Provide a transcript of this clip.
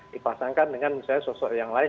dipasangkan dengan misalnya sosok yang lain